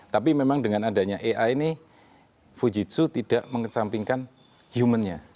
tapi memang dengan adanya ai ini fujitsu tidak mengesampingkan human nya